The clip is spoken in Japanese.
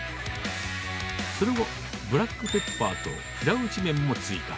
その後ブラックペッパーと平打ち麺も追加。